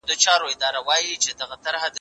تا چي ول چيچک به په کلي کي وي باره په روغتون کي و